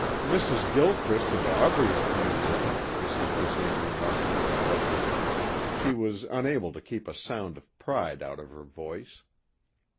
"Mrs. Gilchrist and Aubrey are coming over," Mrs. Basine remarked to the judge. She was unable to keep a sound of pride out of her voice.